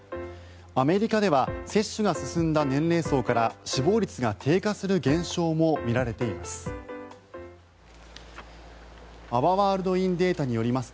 アメリカでは接種が進んだ年齢層から死亡率が低下する現象も見られています。